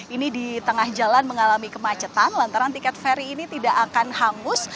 ini di tengah jalan mengalami kemacetan lantaran tiket feri ini tidak akan hangus